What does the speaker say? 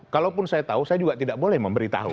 kalaupun saya tahu saya juga tidak boleh memberitahu